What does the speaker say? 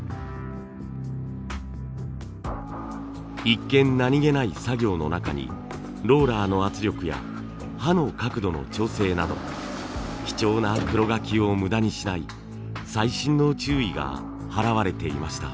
一見何気ない作業の中にローラーの圧力や刃の角度の調整など貴重な黒柿を無駄にしない細心の注意が払われていました。